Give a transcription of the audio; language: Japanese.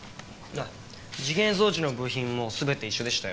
あっ時限装置の部品も全て一緒でしたよ。